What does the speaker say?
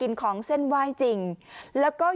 หญิงบอกว่าจะเป็นพี่ปวกหญิงบอกว่าจะเป็นพี่ปวก